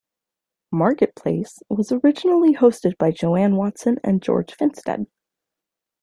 "Marketplace" was originally hosted by Joan Watson and George Finstad.